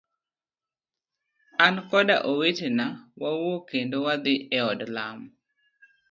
An koda owetena wawuok kendo wadhi e od lamo.